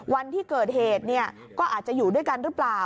วันที่เกิดเหตุก็อาจจะอยู่ด้วยกันหรือเปล่า